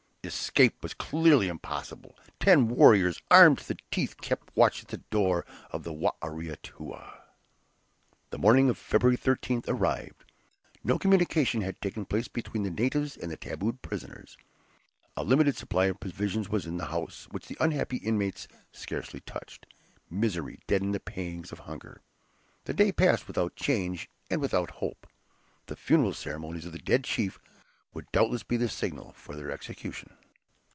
Escape was clearly impossible. Ten warriors, armed to the teeth, kept watch at the door of Ware Atoua. The morning of February 13th arrived. No communication had taken place between the natives and the "tabooed" prisoners. A limited supply of provisions was in the house, which the unhappy inmates scarcely touched. Misery deadened the pangs of hunger. The day passed without change, and without hope; the funeral ceremonies of the dead chief would doubtless be the signal for their execution.